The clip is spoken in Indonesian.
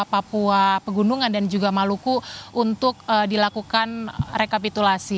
kpu dan juga maluku untuk dilakukan rekapitulasi